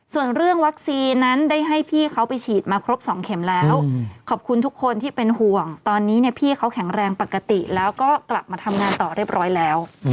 ส่วนเรื่องวัคซีนนั้นได้ให้พี่เขาไปฉีดมาครบ๒เข็มแล้วขอบคุณทุกคนที่เป็นห่วงตอนนี้เนี่ยพี่เขาแข็งแรงปกติแล้วก็กลับมาทำงานต่อเรียบร้อยแล้ว